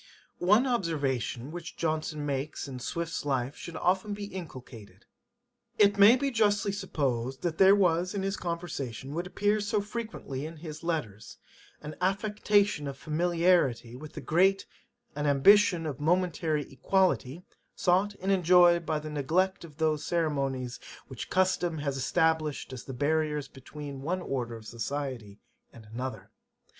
One observation which Johnson makes in Swift's life should be often inculcated: 'It may be justly supposed, that there was in his conversation what appears so frequently in his letters, an affectation of familiarity with the great, an ambition of momentary equality, sought and enjoyed by the neglect of those ceremonies which custom has established as the barriers between one order of society and another.